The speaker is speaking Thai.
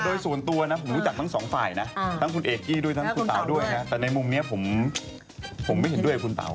โดยสูญตัวนะผมรู้จักทั้งสองฝ่ายนะของคุณเอกกี้และคุณเตาด้วยในมุมนี้ผมไม่เห็นด้วยคุณเตา